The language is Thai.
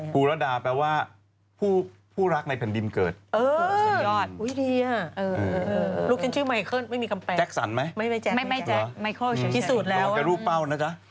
ลูกก้าปลูกก้าแปลว่าแสงสวาบ